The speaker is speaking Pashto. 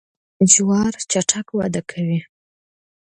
جوار چټک وده کوي.